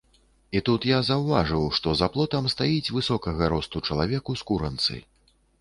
І тут я заўважыў, што за плотам стаіць высокага росту чалавек у скуранцы.